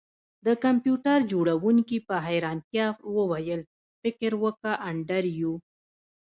د کمپیوټر جوړونکي په حیرانتیا وویل فکر وکړه انډریو